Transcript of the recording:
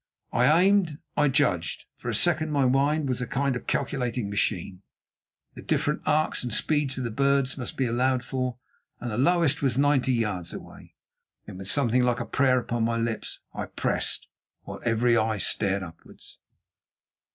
I aimed; I judged—for a second my mind was a kind of calculating machine—the different arcs and speeds of the birds must be allowed for, and the lowest was ninety yards away. Then, with something like a prayer upon my lips, I pressed while every eye stared upwards.